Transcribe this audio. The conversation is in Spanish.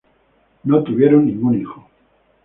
No tuvieron ningún hijo.